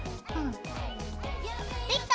できた！